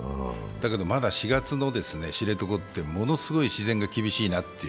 だけどまだ４月の知床ってものすごい自然が厳しいなと。